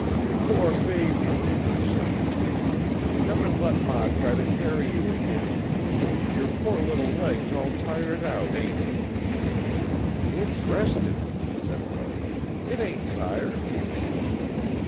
"Poor baby!" said the woman. "Come and let Ma try to carry you again. Your poor little leg's all tired out, ain't it?" "It's rested," said Buddy, "it ain't tired."